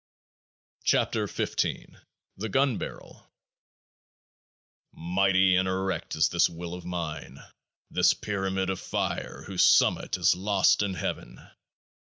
23 KEOAAH IE THE GUN BARREL Mighty and erect is this Will of mine, this Pyramid of fire whose summit is lost in Heaven.